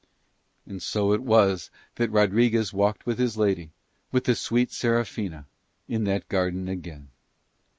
And so it was that Rodriguez walked with his lady, with the sweet Serafina in that garden again.